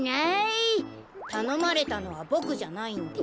たのまれたのはボクじゃないんで。